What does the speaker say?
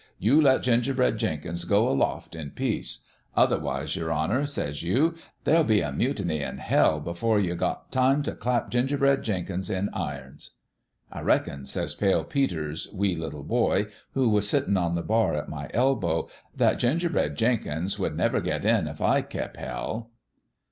You let Ginger bread Jenkins go Aloft in peace. Otherwise, 198 A LITTLE ABOUT LIFE Your Honour," says you, " there'll be a mutiny in hell before you got time t' clap Gingerbread Jenkins in irons." "' I reckon,' says Pale Peter's wee little boy, who was sittin' on the bar at my elbow, * that Gingerbread Jenkins would never get in if /kep' hell.'